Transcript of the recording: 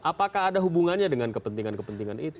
apakah ada hubungannya dengan kepentingan kepentingan itu